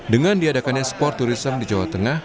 dengan diadakannya sport tourism di jawa tengah